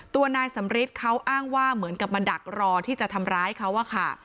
ตัวนายสำริทเขาอ้างว่าเหมือนกับมาดักรอที่จะทำร้ายเขาอะค่ะ